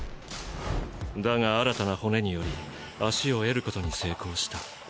だが新たな骨により足を得ることに成功した。